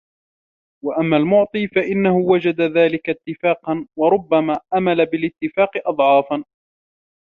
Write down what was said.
وَأَمَّا الْمُعْطِي فَإِنَّهُ وَجَدَ ذَلِكَ اتِّفَاقًا وَرُبَّمَا أَمَلَ بِالِاتِّفَاقِ أَضْعَافًا